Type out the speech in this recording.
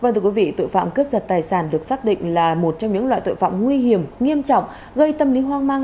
tội phạm cướp giật tài sản được xác định là một trong những loại tội phạm nguy hiểm nghiêm trọng gây tâm lý hoang mang